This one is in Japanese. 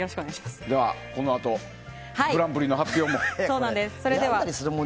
このあとグランプリの発表も。